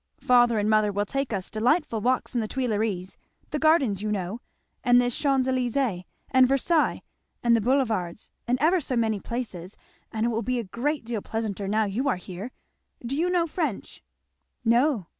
"Father and mother will take us delightful walks in the Tuileries, the gardens you know, and the Champs Elysées, and Versailles, and the Boulevards, and ever so many places; and it will be a great deal pleasanter now you are here. Do you know French?" "No."